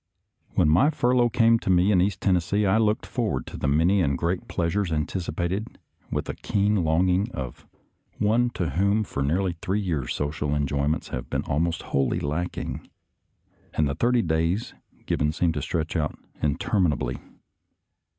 «««•« When my furlough came to me in East Ten nessee, I looked forward to the many and great pleasures anticipated with the keen longing of one to whom for nearly three years social enjoy ments have been almost wholly lacking, and the thirty days given seemed to stretch out inter minably.